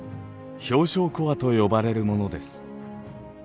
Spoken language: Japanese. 氷床コアと呼ばれるものです。